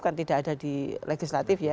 kan tidak ada di legislatif ya